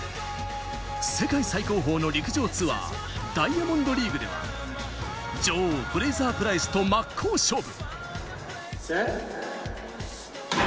世界最高峰の陸上ツアー、ダイヤモンドリーグでは女王・フレイザープライスと真っ向勝負。